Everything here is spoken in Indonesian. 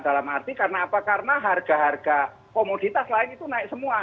dalam arti karena apa karena harga harga komoditas lain itu naik semua